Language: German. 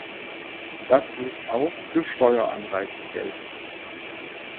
Das muss auch für Steueranreize gelten.